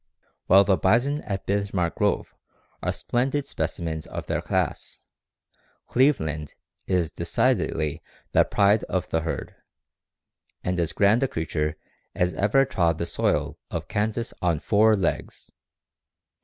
"While the bison at Bismark Grove are splendid specimens of their class, "Cleveland" is decidedly the pride of the herd, and as grand a creature as ever trod the soil of Kansas on four legs.